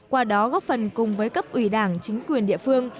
qua đó góp phần cùng với cấp ủy đảng chính quyền địa phương